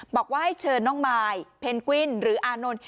บอกว่าให้เชิญน้องมายเพนกวินหรืออานนท์